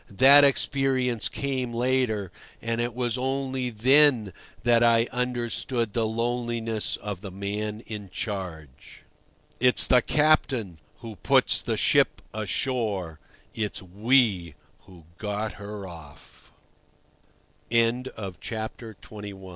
That experience came later, and it was only then that I understood the loneliness of the man in charge. It's the captain who puts the ship ashore; it's we who get her off. XXII. IT seems to me that no man b